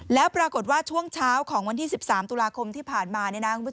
แล้วปรากฏว่าช่วงเช้าของวันที่๑๓ตุลาคมที่ผ่านมา